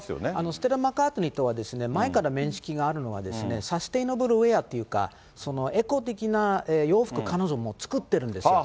ステラ・マッカートニーとは前から面識があるのは、サステイナブルウェアというか、エコ的な洋服、彼女も作ってるんですよ。